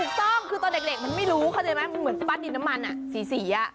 ถูกต้องคือตอนเด็กมันไม่รู้เข้าใจไหมมันเหมือนปั้นดินน้ำมันสี